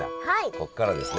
ここからですね